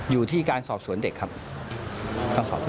อยู่ที่การสอบสวนเด็กครับ